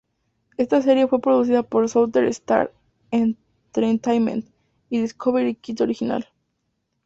Esta serie fue producida por Southern Star Entertainment y Discovery Kids Original.